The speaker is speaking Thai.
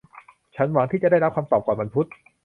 ฉันหวังที่จะได้รับคำตอบก่อนวันพุธ